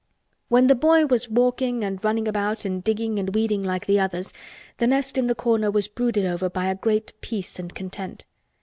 When the boy was walking and running about and digging and weeding like the others, the nest in the corner was brooded over by a great peace and content.